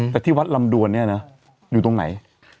แต่ที่วัดลำดวนอยู่ตรงไหน